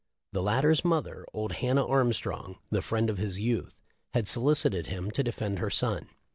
The latter's mother, old Hannah Armstrong, the friend of his youth, had solicited him to defend her son.